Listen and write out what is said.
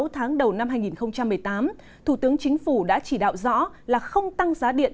sáu tháng đầu năm hai nghìn một mươi tám thủ tướng chính phủ đã chỉ đạo rõ là không tăng giá điện